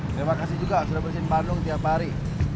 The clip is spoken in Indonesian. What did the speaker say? terima kasih juga sudah bersihin bandung tiap hari